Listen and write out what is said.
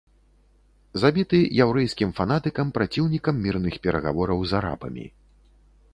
Забіты яўрэйскім фанатыкам, праціўнікам мірных перагавораў з арабамі.